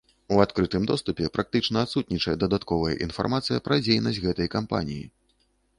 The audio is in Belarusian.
У адкрытым доступе практычна адсутнічае дадатковая інфармацыя пра дзейнасць гэтай кампаніі.